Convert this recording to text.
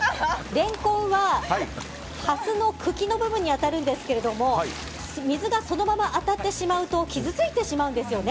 レンコンはハスの茎の部分に当たるんですが水がそのまま当たってしまうと傷ついてしまうんですよね。